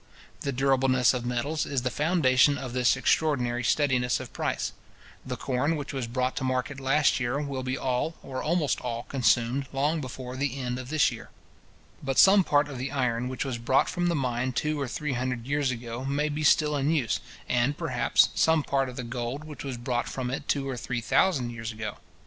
The durableness of metals is the foundation of this extraordinary steadiness of price. The corn which was brought to market last year will be all, or almost all, consumed, long before the end of this year. But some part of the iron which was brought from the mine two or three hundred years ago, may be still in use, and, perhaps, some part of the gold which was brought from it two or three thousand years ago.